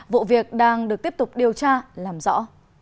vụ việc đang được tiếp tục điều tra làm rõ